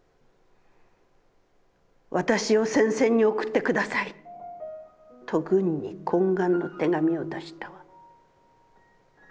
『私を戦線に送ってください』と軍に懇願の手紙を出したわ。